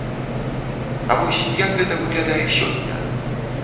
А вось як гэта выглядае сёння?